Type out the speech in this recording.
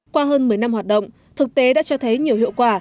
qua hơn một mươi năm hoạt động thực tế đã cho thấy nhiều hiệu quả